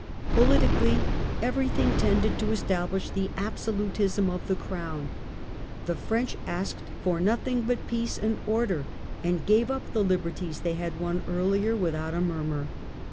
Politically every thing tended to establish the absolutism of the Crown ; the French asked for nothing but peace and order, and gave up the liberties they had won earlier without a murmur.